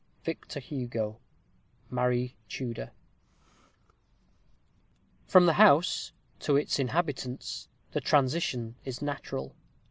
VICTOR HUGO: Marie Tudor. From the house to its inhabitants the transition is natural.